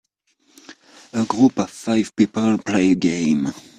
A group of five people play a game.